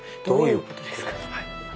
どういうことですか？